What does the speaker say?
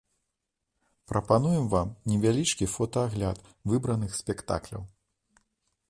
Прапануем вам невялічкі фотаагляд выбраных спектакляў.